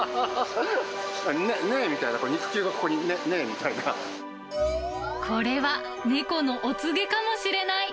ねぇみたいな、肉球がここに、これは猫のお告げかもしれない。